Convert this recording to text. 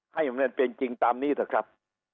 ให้อย่างนั้นเป็นจริงตามนี้เถอะครับ